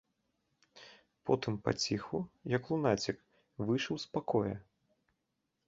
Потым паціху, як лунацік, выйшаў з пакоя.